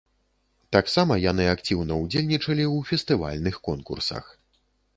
Таксама яны актыўна удзельнічалі ў фэстывальных конкурсах.